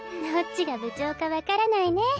どっちが部長かわからないね。